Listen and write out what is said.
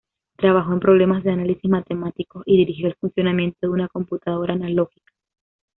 Trabajó en problemas de análisis matemáticos, y dirigió el funcionamiento de una computadora analógica.